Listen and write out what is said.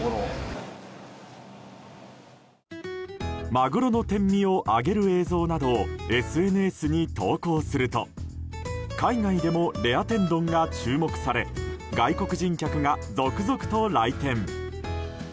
マグロの天身を揚げる映像などをＳＮＳに投稿すると海外でもレア天丼が注目され外国人客が続々と来店。